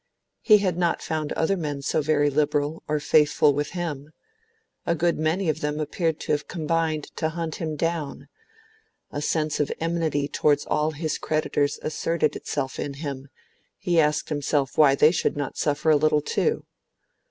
He had not found other men so very liberal or faithful with him; a good many of them appeared to have combined to hunt him down; a sense of enmity towards all his creditors asserted itself in him; he asked himself why they should not suffer a little too.